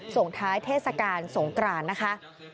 ส่งท้ายเทศกาลสงกรานนะคะ